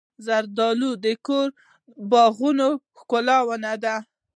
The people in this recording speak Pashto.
زردالو د کور باغونو ښکلې ونه ده.